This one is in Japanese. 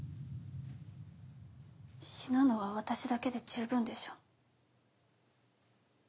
死ぬのは私だけで十分でしょ？